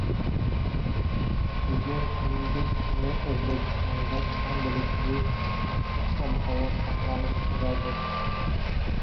Bugun kunduz kuni O‘zbekistonda kam bulutli, issiq ob-havo saqlanib turadi